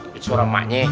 shhh suara emaknya